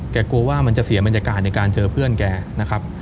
กลัวว่ามันจะเสียบรรยากาศในการเจอเพื่อนแกนะครับ